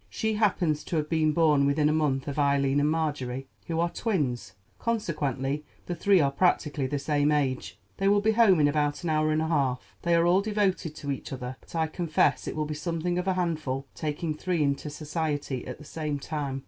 She happens to have been born within a month of Eileen and Marjorie, who are twins, consequently the three are practically the same age. They will be home in about an hour and a half. They are all devoted to each other; but I confess it will be something of a handful taking three into society at the same time."